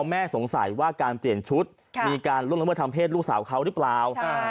แม่สงสัยว่าการเปลี่ยนชุดมีการล่วงละเมิดทางเพศลูกสาวเขาหรือเปล่า